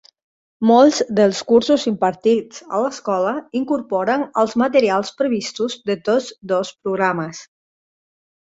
Molts dels cursos impartits a l'escola incorporen els materials previstos de tots dos programes.